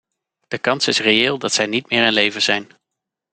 De kans is reëel dat zij niet meer in leven zijn.